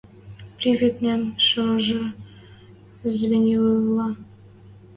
Привикнен шошы звеньевойвлӓ